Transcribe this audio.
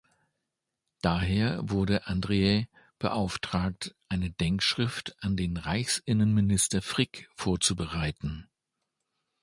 Daher wurde Andreae beauftragt eine Denkschrift an den Reichsinnenminister Frick vorzubereiten.